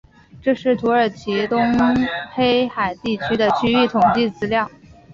这是土耳其东黑海地区的区域统计资料。